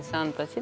で